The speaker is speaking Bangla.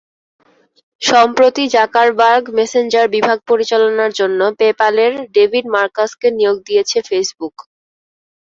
সম্প্রতি জাকারবার্গ মেসেঞ্জার বিভাগ পরিচালনার জন্য পেপ্যালের ডেভিড মার্কাসকে নিয়োগ দিয়েছে ফেসবুক।